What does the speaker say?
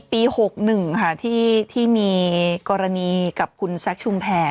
ปี๖๑ค่ะที่มีกรณีกับคุณแซคชุมแพร